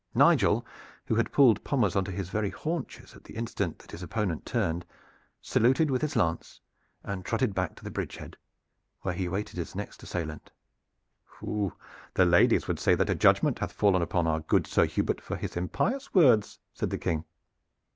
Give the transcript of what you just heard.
Nigel, who had pulled Pommers on to his very haunches at the instant that his opponent turned, saluted with his lance and trotted back to the bridge head, where he awaited his next assailant. "The ladies would say that a judgment hath fallen upon our good Sir Hubert for his impious words," said the King.